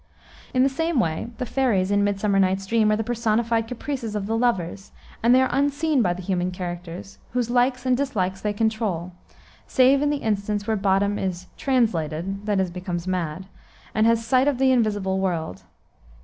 In the same way, the fairies in Midsummer Night's Dream are the personified caprices of the lovers, and they are unseen by the human characters, whose likes and dislikes they control, save in the instance where Bottom is "translated" (that is, becomes mad) and has sight of the invisible world.